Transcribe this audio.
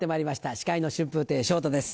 司会の春風亭昇太です